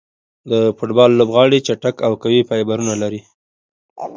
د فوټبال لوبغاړي چټک او قوي فایبرونه لري.